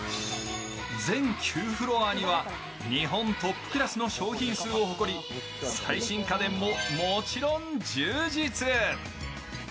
全９フロアには日本トップクラスの商品数を誇り最新家電ももちろん充実。